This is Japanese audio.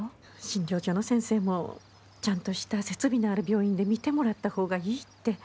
診療所の先生もちゃんとした設備のある病院で診てもらった方がいいって。